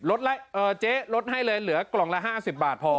ลดละเออเจ๊ลดให้เลยเหลือกล่องละห้าสิบบาทพอโอ้โห